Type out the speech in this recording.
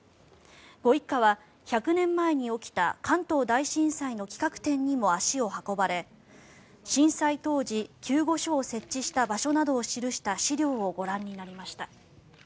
ご一家は１００年前に起きた関東大震災の企画展にも足を運ばれ震災当時、救護所を設置した場所などを記した資料などをご覧になりました。